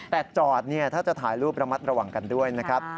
แต่จอดถ้าจะถ่ายรูประมัติระหว่างกันด้วยนะครับ